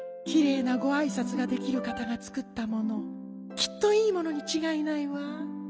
きれいなごあいさつができるかたがつくったものきっといいものにちがいないわ。